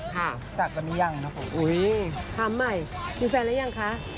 จักรหรือครับจักรตนี้ยังนะครับคำใหม่มีแฟนแล้วยังคะ